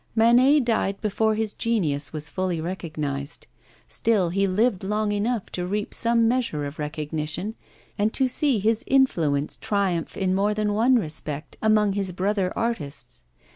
Manet died before his genius was fully recognised; still he lived long enough to reap some measure of recognition and to see his influence triumph in more than one respect among his brother artists.